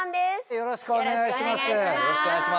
よろしくお願いします。